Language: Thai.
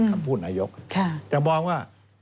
คำพูดนายกจะมองว่า